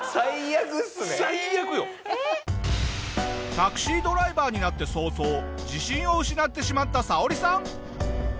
タクシードライバーになって早々自信を失ってしまったサオリさん。